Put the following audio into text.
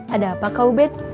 ada apa kau bet